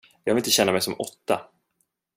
Jag vill inte känna mig som åtta.